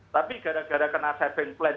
tapi gara gara kena saving plan